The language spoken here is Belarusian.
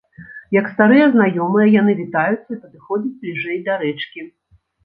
Як старыя знаёмыя яны вітаюцца і падыходзяць бліжэй да рэчкі.